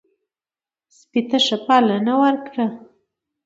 سپي ته ښه پالنه وکړئ.